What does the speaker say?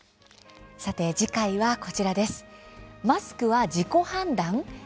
さて次回は、こちらです。